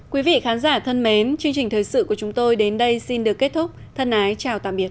quý vị khán giả thân mến chương trình thời sự của chúng tôi đến đây xin được kết thúc thân ái chào tạm biệt